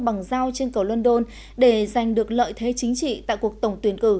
bằng giao trên cầu london để giành được lợi thế chính trị tại cuộc tổng tuyển cử